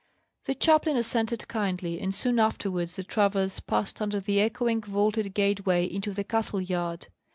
The chaplain assented kindly, and soon afterwards the travellers passed under the echoing vaulted gateway into the castle yard.